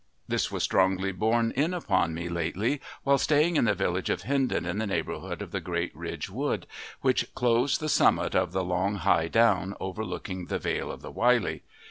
This was strongly borne in upon me lately while staying in the village of Hindon in the neighbourhood of the Great Ridge Wood, which clothes the summit of the long high down overlooking the vale of the Wylye.